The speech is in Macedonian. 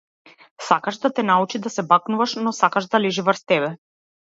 Сакаш да те научи да се бакнуваш, но сакаш да лежи врз тебе.